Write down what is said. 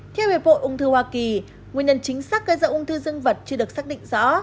theo hiệp hội ung thư hoa kỳ nguyên nhân chính xác gây ra ung thư dân vật chưa được xác định rõ